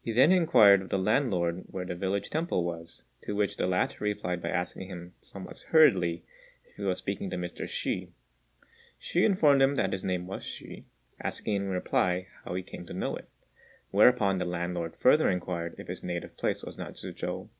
He then inquired of the landlord where the village temple was; to which the latter replied by asking him somewhat hurriedly if he was speaking to Mr. Hsü. Hsü informed him that his name was Hsü, asking in reply how he came to know it; whereupon the landlord further inquired if his native place was not Tzŭ chou.